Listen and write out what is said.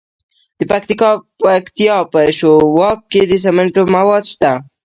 د پکتیا په شواک کې د سمنټو مواد شته.